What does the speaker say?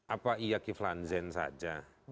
apa iya kiflan zen saja